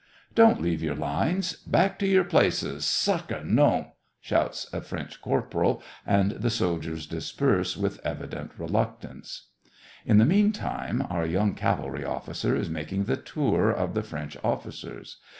*' Don't leave your lines ; back to your places, sacre noin I " shouts a French corporal, and the soldiers disperse with evident reluctance. In the meantime, our young cavalry officer is making the tour of the French officers.